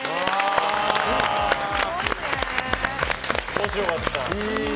面白かった。